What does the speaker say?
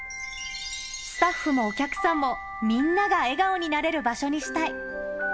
スタッフもお客さんも、みんなが笑顔になれる場所にしたい。